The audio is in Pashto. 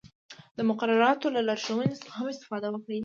د مقرراتو له لارښوونو څخه هم استفاده وکړئ.